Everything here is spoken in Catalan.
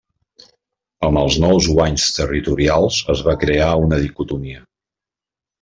Amb els nous guanys territorials es va crear una dicotomia.